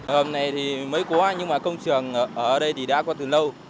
hầm này thì mới quá nhưng mà công trường ở đây thì đã có từ lâu